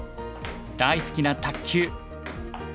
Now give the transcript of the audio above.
大好きな卓球。